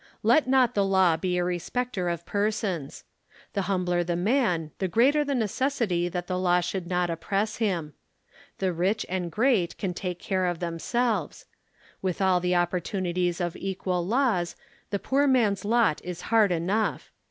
Let not the law be a respecter of persons. The humbler the man the greater the 18 necessity that the law should not oppress him. The rich and great can take care of themselres. "\Yith all the opportunities of equal laws, the poor man's lot is hard enough.